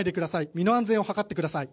身の安全を図ってください。